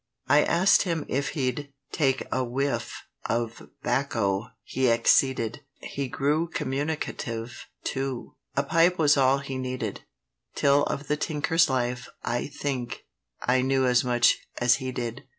I ask'd him if he'd take a whiff Of 'bacco; he acceded; He grew communicative too, (A pipe was all he needed,) Till of the tinker's life, I think, I knew as much as he did.